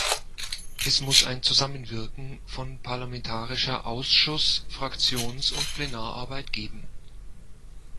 Es muss ein Zusammenwirken von parlamentarischer Ausschuss-, Fraktions- und Plenararbeit geben!